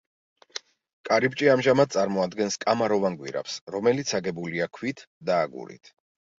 კარიბჭე ამჟამად წარმოადგენს კამაროვან გვირაბს, რომელიც აგებულია ქვით და აგურით.